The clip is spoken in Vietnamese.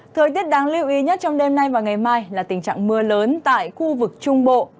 thời tiết đáng lưu ý nhất trong đêm nay và ngày mai là tình trạng mưa lớn tại khu vực trung bộ